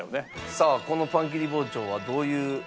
さあこのパン切り包丁はどういうやつなんですか？